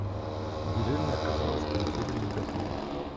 Деревня оказалась к метели не готова.